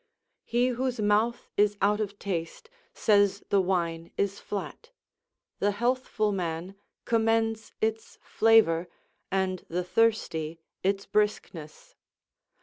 He whose mouth is out of taste, says the wine is flat; the healthful man commends its flavour, and the thirsty its briskness.